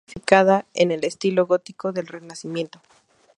Fue edificada en el estilo gótico del renacimiento.